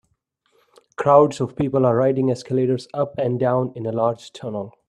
Crowds of people are riding escalators up and down in a large tunnel.